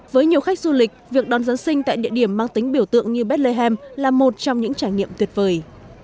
với nhiều khách du lịch việc đón giáng sinh tại địa điểm mang tính biểu tượng như bethlehem là một trong những trải nghiệm tuyệt vời